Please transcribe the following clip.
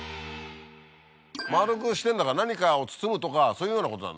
丸くしてんだから何かを包むとかそういうようなことなんだね。